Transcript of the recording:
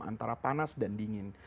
antara panas dan dingin